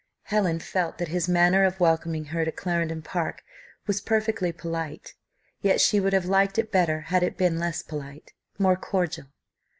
Helen felt that his manner of welcoming her to Clarendon Park was perfectly polite, yet she would have liked it better had it been less polite more cordial.